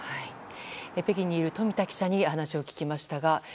北京にいる富田記者にお話を聞きましたが。